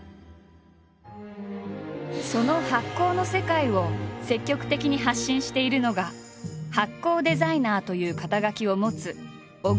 その発酵の世界を積極的に発信しているのが「発酵デザイナー」という肩書を持つ小倉ヒラク。